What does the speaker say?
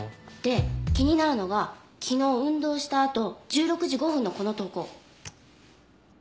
で気になるのが昨日運動したあと１６時５分のこの投稿。